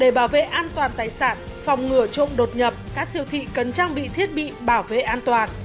để bảo vệ an toàn tài sản phòng ngừa trộm đột nhập các siêu thị cần trang bị thiết bị bảo vệ an toàn